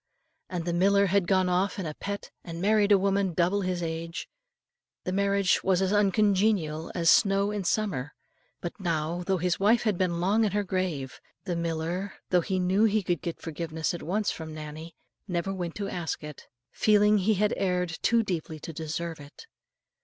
And the miller had gone off in a pet, and married a woman double his age. The marriage was as uncongenial as snow in summer; but now, though his wife had been long in her grave, the miller, though he knew he could get forgiveness at once from Nannie, never went to ask it, feeling he had erred too deeply to deserve it.